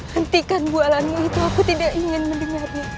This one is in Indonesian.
hentikan bualannya itu aku tidak ingin mendengarnya